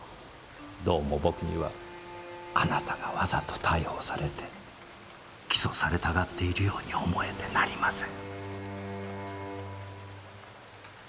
どうも僕にはあなたがわざと逮捕されて起訴されたがっているように思えてなりません。